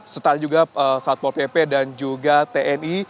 serta juga satpol pp dan juga tni